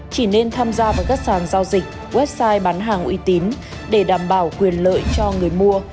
chỉ nên tham gia vào các sàn giao dịch website bán hàng uy tín để đảm bảo quyền lợi cho người mua